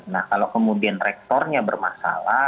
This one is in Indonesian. nah kalau kemudian rektornya bermasalah